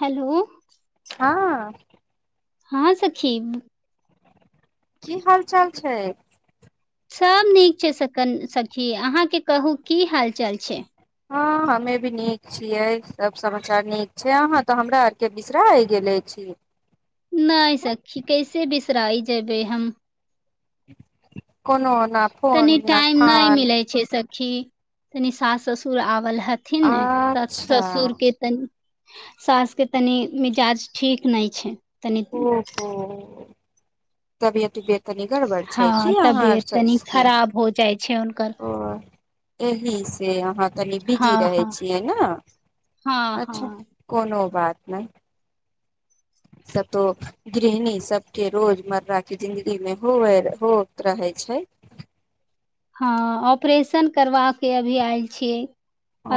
hello हाँ हँ सखी की हाल चाल छै सब नीक छै स सखी अहाँके कहू की हाल चाल छै हँ हमे भी नीक छियै सब समाचार नीक छै अहाँ तऽ हमरा आरके बिसरा आ गेले छी नहि सखी कैसे बिसराई जेबै हम ह [inaudible] कोनो न फोन न फान खि तनी सास ससुर आवल ह हथिन ने अच्छा ससुरके तनि सास के तनी मिजाज ठीक नहि छै तनी ओहो तबियत उबियत तनी गड़बड़ छै हँ की अहाँ तबियत तनी सबके खराब हो जाइ छै हुनकर ओ एहि से अहाँ तनि हँ बिजी रहै हँ छियै ने हँ अच्छा हँ कोनो बात नहि सभतो गृहिणी सभके रोजमर्राके जिन्दगीमे हो होइत रहै छै हँ ऑपरेशन करबाे अभी आयल छियै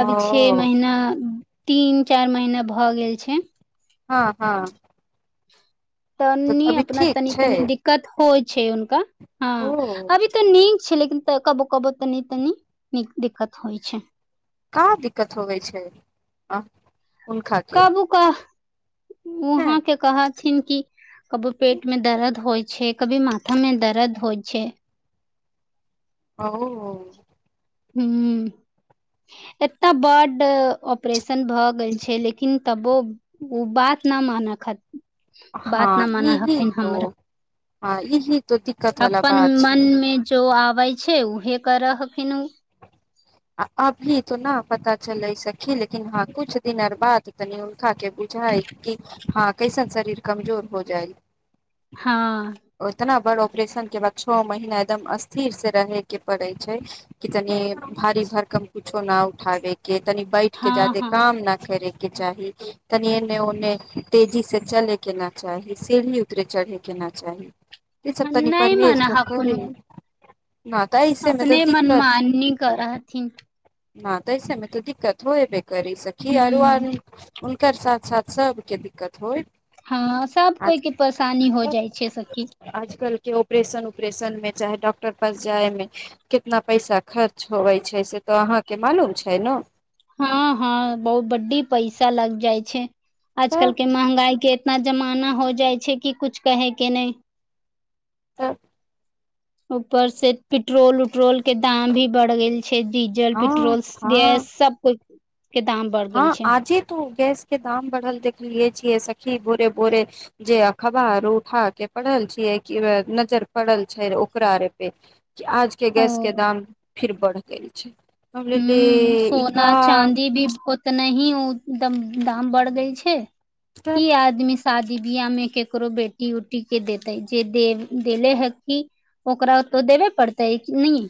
अभी छे महिना तीन चारि महीना भऽ गेल छै हँ हँ तऽ तनी अभी अपना ठीक तनी छै तनी दिक्कत होइ छै उनका हँ ओ अभी तऽ नी छै लेकिन कबो कबो तनी तनी नीक दिक्कत होइ छै का दिक्कत होवे छै आ हुनका के कबू का हैं वहाँके कहत छन की कबो पेट में दर्द होइ छै कभी माथा में दर्द होइ छै ओ हुँ एतय ब्ड ऑपरेशन भऽ गेल छै लेकिन तबो ओ बात न मान खातिर हँ यही तो हमर हँ इही तो दिक्कत वाला बात छै अबै छै उहे करऽखिन आ अभी तो न पता चलै सखी लेकिन हँ कछ दिन बाद तनि उलनका के बुझााय कि हँ कैसन शरीर कमजोर हो जाय हँ बड ऑपरेशन के बाद छओ महीना एकदम स्थिर से रहे के पड़े छै कि तनि भी भर कम कुछो न उठाबे के तनी बैठ के हँ जादे हँ काम न करे के चाही तनिए ने ओन्ने तेजी से चले के न चाही सीढ़ी उतरे चढ़ै के न चाही ई सब तनी नहि परहेज मानऽ हखुन करे उ न तऽ ऐसेमें तऽ अपने दिक्कत मनमानी करऽ हथिन न तऽ एहि सममे त दिक्त होय ब कर सकी आर आ हूँ हुनकर साथ साथ सबके दिक्कत होइ हँ सब कोइके परेशानी हो जाइ छै सखि आजकल के ऑपरेशन उपरेशन में चाहे डॉक्टर पास जाय मे कितना पैसा खर्च होवे छै से तो अहा के मालूम छै न हँ हँ बहुत बड्डी पैसा लाग जाइ छै तऽ आजकल के महँंगाई के इतना जमाना हो जाइ छै कि कुछ कहे के नहि हँ ऊपर से पेट्रोल उट्रोल के दाम भी बढ़ गेल छै छै डीजल हँ पेट्रोल हँ गैस सबकुछ हँ आजे तो गैस के दाम बढ़ल देखलियै छियै सखी भोरे बोरे जे अखबार उठा के पड़ल छियै कि नजर पड़ल छै ओकरार पे आज के गैस के ओ दाम फिर बढ़ गेल छै हमलले इका तऽ नहि ओ एकदम दाम बढ़ दै छै तऽ की आदमी शादी बियाह में केकरो बेटी उटी के देते जे दे देेले ह क ओकरा ओतो देबे पड़ते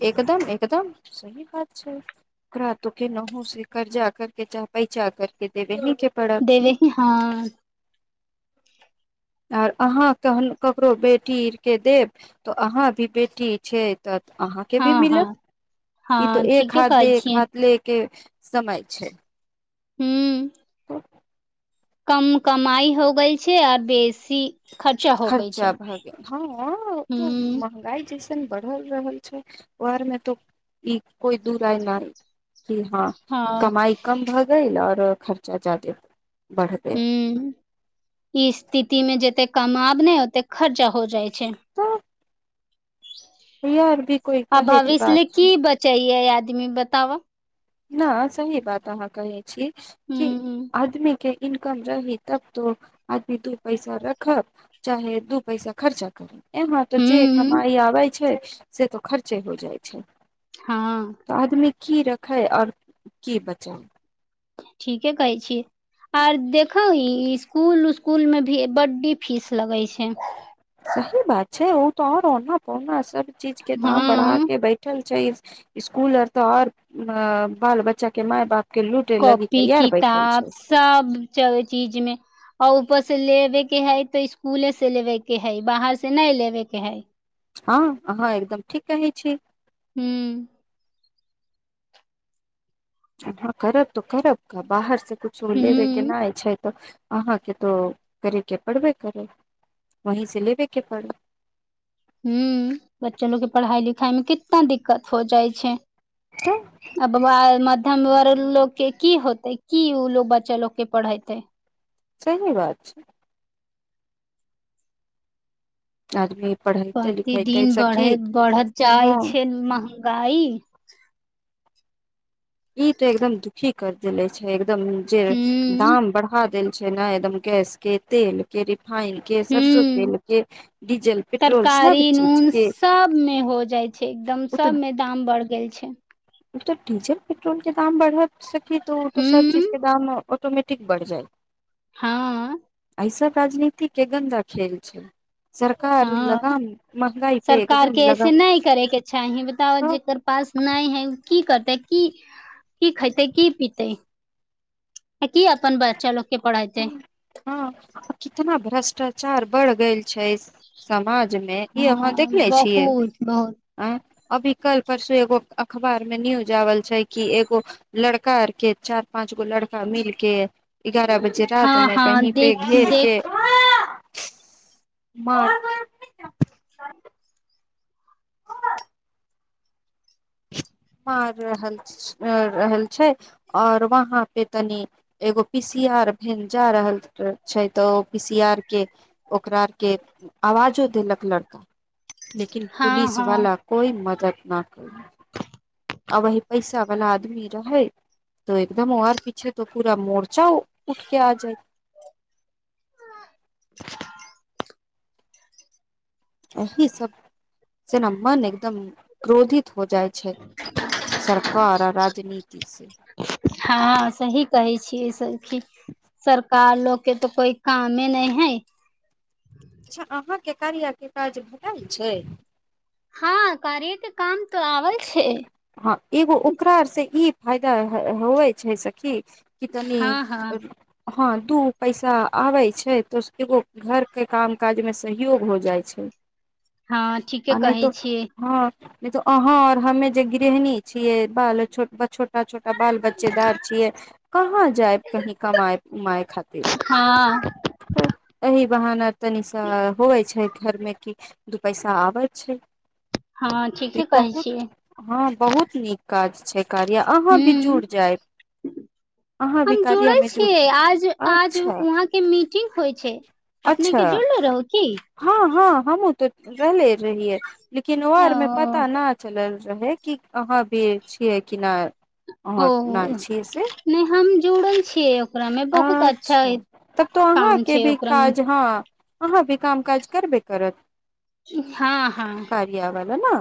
एकदम एकदम सही बात छै रातो के नहु से कर्जा करके आ पैंचा करके दे दहिं देबय कें ही हँ आर अहाँ कहन ककरो बेटी र के देब तऽ अहाँ भी बेटी छै तऽ अहाँके भी हँ मिलत हँ ई तो हँ एक ठीके हाथ कहै दे एक छियै हाथ ले के समय छै हुँ कम कमाइ हो गेल छै आर बेसी खर्चा हो गई छै खर्चा भए गेल हँ त हूँ महँगाइ जे छै बढ़ल रहल छै उर मे तो ई कोइ दू आय न हँ कमाई कम भऽ गेल आऔर खर्चा जादे बढ़ गेल हुँ ई स्थिति मे जतेक कामाब ने ओते खर्चा हो जाए छै तऽ यार भी कोइ आ कहे के बात भविष्यल छै की बचैय याद ती बताव हाँ सही बात अहाँ कहै छी की हूं आदमीेकें इनकम रही तब तो आदमी दू पैसा रखब चाहे दू पैसा खर्चा करब एमेहर तऽ जे हूं कमाइ आबै छै से तऽ खर्चे हो जाइ छै हाँ तऽ आदमी की रख तै आओर की बचाअत ठीके कहै छी आर देखब ई इसकुल उस्कुल मे भी बड्डी फीस लगै छै सही बात छै ओ तऽ आर ने प ने चीज के दाम हँ बढ़ााक बैठल छै स्कूल अ तऽ आओर बाल बच्चा के माय बाप के लूटे लगी कॉपी तैयार बैठल किताब छै सब च चीजमे आउ उपो से लेबे के है तऽ स्सकूले से लेबे के है बाहर से नहि लेबे के है हँ अहाँ एकदम ठीक कहै छी हूं करब तऽ करब क बाहर से कछो लेबे हूं केनाइ छै तऽ अहाँके तो करे के पड़बे करे वहीं से लेबे के परि हुँ बच्चो लोग के पढ़ाई लिखाई में कितना दिक्कत हो जाइ छै तऽ आ बबा म [inaudible] तें दुआरे लोग के की होते की ओ लोग बच्चा लोग के पढ़ेते सही बात छै आज भी प्रतिदिन बढ़ बढ़त जाइ हँ छै म गाई ई तऽ एकदम दुखी कर देले छै एकदम जे हूँ दाम बढ़ा देल नहि एकदम केैस के तेल क हुँ डीजल पेट्रोल सब तरकारी चीज नून के सबमे हो जाइ छै एकदम ओ तऽ सबमे दाम बढ़ गेल छै तऽ डीजल पेट्रोल के दाम बढ़ स तो सब चीज हूँ के दाम ऑटोमैटिक बढ़ जाइ हाँ ईस राजनीतिक के गन्दा खेेल छै सरकार हँ लगाम महंगाई पे सरकार एकदम के लगा ऐसे नहि करेके चाही बताब हँ जकर पास नहि है की करतै की की खेतै की पीतै हँ कितना भर्ष्टा चार बढ़ गेल छै समाज मे ई अहाँ हँ देख ले छियै बहुत बहुत आ अभी कल परसू एगो अखबार में न्यूज आवल छै क एगो लड़का आर के चार पांच गो लड़का मिल के एगारह बजे रात हँ में हँ कहीं पे देख घेर के देख मार देलक मार रहल रहल छै आओर वहाँ पे तनि एगो पीसी आर भ जा रहल छै तऽ ओ पीसी आर के ओकरा आर के आवाजो देलक लड़का लेकिन हँ हँ पुलिसवाला कोई मदद नख [inaudible] आ वी पैसा वाला आदमी रहै तो एकदम आर पीछे तो पूरा मोड़ च जााउ उठके आ जाइ आ एहिही सब से ने मन एकदम क्रोधित हो जाइ छै सरकार आ राजनीति से हँ सही कहै छियै सखी सर सरकार लोकोग के तऽ कोई कामे नहि है अच्छा अहाँके कार आरके काज भेटल छै हँ कार्यके काम तऽ आबै छै हँ एगो ओकररार से ई फायदा होइ छै सखी की तनी हँ हँ हँ दू पैसा आबै छै तऽ एगो घरके काम काजमे सहयोग हो जाइ छै हँ ठीके कहै छियै नइ तऽ अहाँ और हमे जे गृहणी छियै बाल छोट ब छोट जे छोटा छोटा बाल बच्चेदार छियै कहाँ जाइब कही कमााय उमाय खातिर हँ तब एहि बहाना तनि सा होवइ छै घरमे कि दू पैसा आबैत छै हँ तऽ ठीके कहै बहुत छियै हँ बहुत नीक काज छै कार्य अहाँ भी जुड़ जायब हु अहाँ भी हम जुड़ल कार्यामे जुड़ छियै आज जाउ आज अच्छा वहाँके मीटिंग होइ छै अच्छा अपनेके जुड़ले रहू की हँ हँ हमहुँ तऽ रहले रहियै लेकिन ओ आर मे पता न चलल रहै कि अहाँ भी छियै कि ना ओ नइ हम जुड़ै छियै ओकरा मे बहुत अच्छा तब तो काम अहाँके छै भी ओकरा मे काज हँ अहाँ भी काम काज करबे करब हँ हँ ना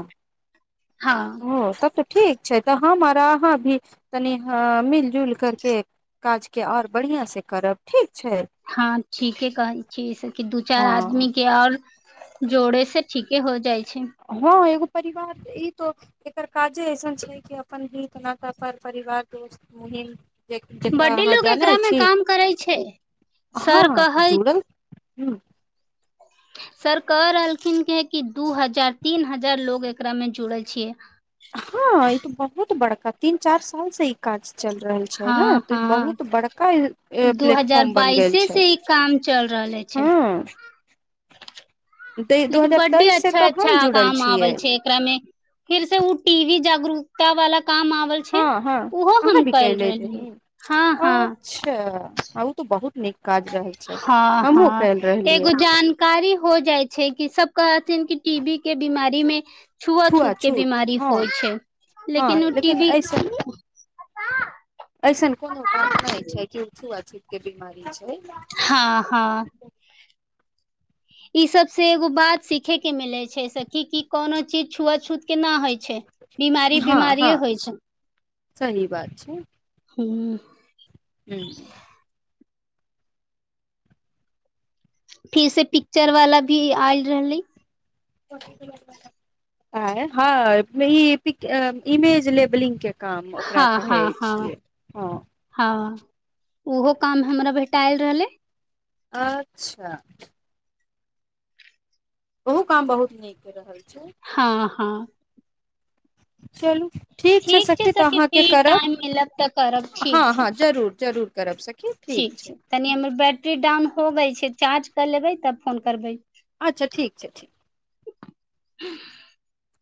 हँ ओ तब तऽ ठीक छै तऽ हम अहाँ भी तनि हँ मिलजुल करके काज के आओर बढ़िआँ से करब ठीक छै हँ ठिके कहै छिये सखी दू चारि हँ आदमी के आओर जोड़े से ठीके हो जाइ छै हँ एगो परिवार ई तो एकर काजे अइसन छै कि अपन हित नात पर परिवार दोस्त महिम बड्डे लोग एकरा मे काम करै छै सर कहै हु सर कह रहलखिन कि कि दू हजार तीन हजार लोग एकरा मे जुड़ैय छियै हँ ई त बहुत बड़का तीन चार साल से ई काज चलि रहल छै ने हँ तऽ ई हँ बहुत बड़का ए दू हजार प्लेटफॉर्म बन गेल बाइसे छै से ई काम चल रहले छै हँ दू लेकिन हजार बड्डे तेइस से अच्छा तो अच्छा हम जुड़ल काम आबय छियै छै एकरामे फेर से उऽ टी वी जागरूक ता वाला काम आबल छै हँ हँ ओहो हम अहाँ भी कइल कले रहलियै रही हँ हँ त बहुत नीक काज रहल छै हँ हमहुँ कयल हँ रहलियै एगो जानकारी हो जाइ छै कि सब कहथिन कि टी बी के बीमारी टीमे छुआ छुआछूत के छूत बीमारी हँ होइ छै हँ लेकिन ओ टी भी ऐसन आ ऐसन कोनो बात नहि छै कि छुआ के बीमारी छै हँ हँ इ सब से एगो बात सीखे के मिले छै से की की कोनो चीज छुआ छूत के न होइ छै बीमारी हँ हँ बीमारिये होइ छै सही बात छै हू ह्म फिर से पिक्चर वाला भी आयल रहलै ह इमेज लेबलिंग के काम ओकरा हँ कहै हँ हँ छियै हँ हँ ओहो काम हमरा भेटा आयल रहलै अच्छा ओहु काम बहुत नीक कर रहल छै हँ हँ चलू ठीक छै सखी तऽ अहाँके फिर करब टाइम मिलब तऽ करब हँ ठीक छै हँ जरूर जरूर करब सक ठीक छै तनि हमर बैटरी डाउन हो गेल छै चार्ज कर लेबै तब फोन करबै अच्छा ठीक छै ठीक [unintelligible]